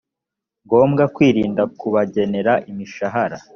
ngombwa kwirinda kubagenera imishahara